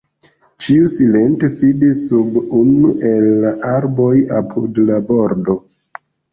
Ĉiu silente sidis sub unu el la arboj apud la bordo.